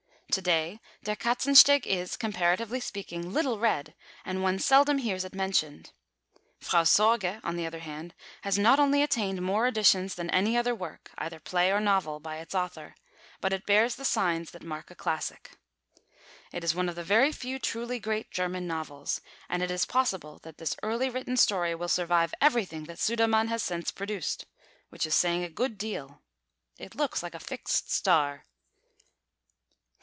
To day Der Katzensteg is, comparatively speaking, little read, and one seldom hears it mentioned. Frau Sorge, on the other hand, has not only attained more editions than any other work, either play or novel, by its author, but it bears the signs that mark a classic. It is one of the very few truly great German novels, and it is possible that this early written story will survive everything that Sudermann has since produced, which is saying a good deal. It looks like a fixed star.